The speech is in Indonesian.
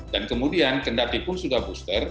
dan kemudian kendaki pun sudah booster